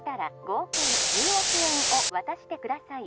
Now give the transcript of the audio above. ☎合計１０億円を渡してください